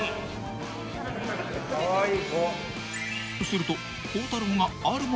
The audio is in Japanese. ［すると］